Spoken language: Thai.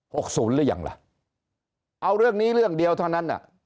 ศูนย์หรือยังล่ะเอาเรื่องนี้เรื่องเดียวเท่านั้นอ่ะ